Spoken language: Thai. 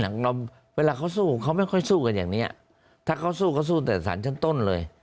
อย่างเราเวลาเขาสู้เขาไม่ค่อยสู้กันอย่างนี้ถ้าเขาสู้เขาสู้แต่สารชั้นต้นเลย